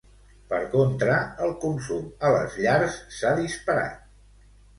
Per contra, el consum a les llars s'ha disparat.